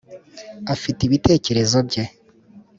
afite ibitekerezo bye,